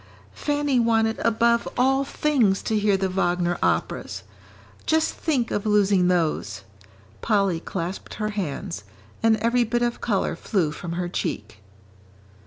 "Fanny wanted above all things to hear the Wagner operas just think of losing those!" Polly clasped her hands, and every bit of colour flew from her cheek.